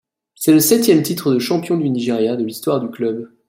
C'est le septième titre de champion du Nigeria de l'histoire du club.